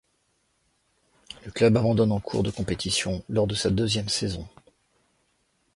Le club abandonne en cours de compétition lors de sa deuxième saison.